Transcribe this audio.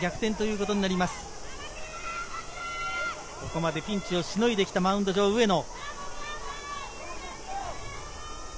ここまでピンチをしのいできたマウンド上、上野。